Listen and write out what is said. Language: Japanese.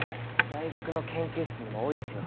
大学の研究室にも多いですよ